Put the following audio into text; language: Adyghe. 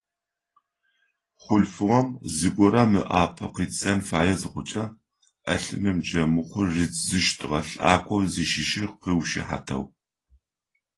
Хъулъфыгъэм зыгорэм ыӏапэ кӏидзэн фае зыхъукӏэ, ӏэлъынымкӏэ мыхъур ридзыщтыгъэ лӏакъоу зыщыщыр къыушыхьатэу.